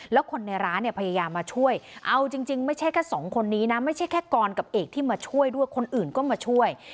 แล้วคนในร้านเนี่ยพยายามมาช่วยเอาจริงไม่ใช่แค่สองคนนี้นะไม่ใช่แค่กรกับเอกที่มาช่วยด้วยคนอื่นก็มาช่วย